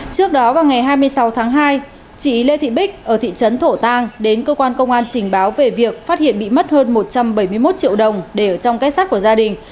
trước đó vào ngày hai mươi sáu tháng hai chị lê thị bích ở thị trấn thổ tàng đến cơ quan công an trình báo về việc phát hiện bị mất hơn một trăm bảy mươi một triệu đồng để ở trong kết sắt của gia đình